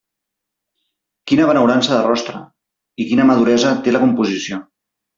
Quina benaurança de rostre, i quina maduresa té la composició.